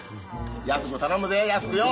安く頼むぜ安くよお。